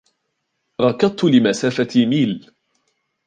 ركضت لمسافة ميل.